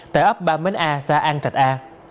tại ấp ba mến a xã an trạch a